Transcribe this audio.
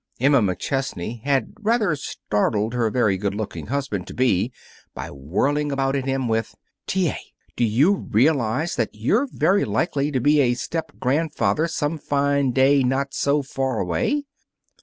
Emma McChesney had rather startled her very good looking husband to be by whirling about at him with, "T. A., do you realize that you're very likely to be a step grandfather some fine day not so far away!"